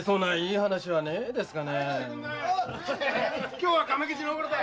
今日は亀吉の奢りだ。